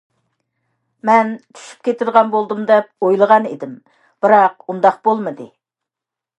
مەن چۈشۈپ كېتىدىغان بولدۇم دەپ ئويلىغانىدىم بىراق ئۇنداق بولمىدى.